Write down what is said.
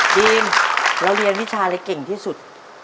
เราเรียนวิชาอะไรเก่งที่สุด